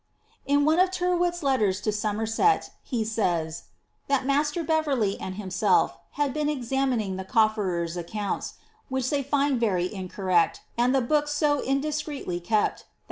' In one of Tyrwhit's letters to Somerset, he says, ^ that roaster Bev erly and himself have been examining the cofierer's accounts, which they find very inconect, and the books so ^ indiscreetly^ kept, that ho * Hayn«4* State Papers.